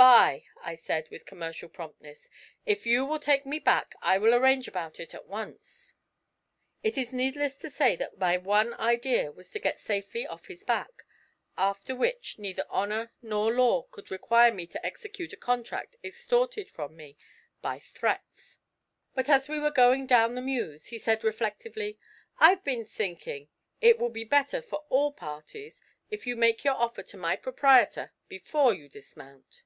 'Buy!' I said, with commercial promptness. 'If you will take me back, I will arrange about it at once.' It is needless to say that my one idea was to get safely off his back: after which, neither honour nor law could require me to execute a contract extorted from me by threats. But, as we were going down the mews, he said reflectively, 'I've been thinking it will be better for all parties, if you make your offer to my proprietor before you dismount.'